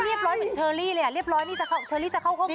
ไม่เรียบร้อยเป็นเชอรี่เลยเรียบร้อยนี่เชอรี่จะเข้าห้องใคร